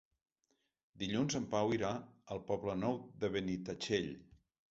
Dilluns en Pau irà al Poble Nou de Benitatxell.